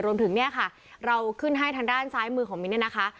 รวมถึงเราขึ้นให้ทางด้านซ้ายของมินเนี่ยนะคะ